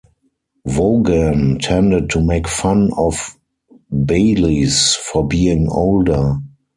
Vaughan tended to make fun of Baylis for being older.